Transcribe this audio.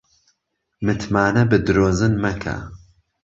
متمانە بە درۆزن مەکە